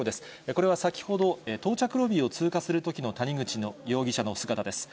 これは先ほど、到着ロビーを通過するときの谷口容疑者の姿です。